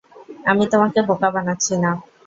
আমি তোমাকে বোকা বানাচ্ছি না।